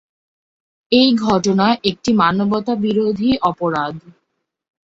এই ঘটনা একটি মানবতাবিরোধী অপরাধ।